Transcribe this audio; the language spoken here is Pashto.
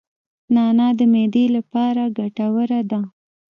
نعناع د معدې لپاره ګټوره ده